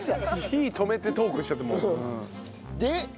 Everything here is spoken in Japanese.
火止めてトークしちゃってもう。で。